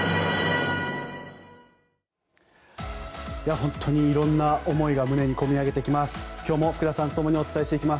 本当に色んな思いがこみ上げてきます。